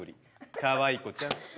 かわい子ちゃん。